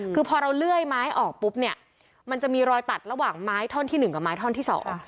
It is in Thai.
คือพอเราเลื่อยไม้ออกปุ๊บเนี่ยมันจะมีรอยตัดระหว่างไม้ท่อนที่หนึ่งกับไม้ท่อนที่สอง